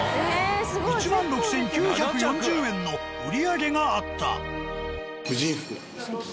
１６，９４０円の売り上げがあった。